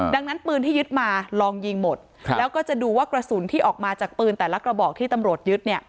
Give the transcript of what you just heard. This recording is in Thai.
ดังนั้นปืนที่ยึดมาลองยิงหมดแล้วก็จะดูว่ากระสุนที่ออกมาจากปืนแต่ละกระบอกที่ตำรวจยึดเนี่ย